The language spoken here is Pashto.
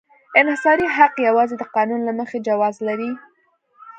انحصاري حق یوازې د قانون له مخې جواز لري.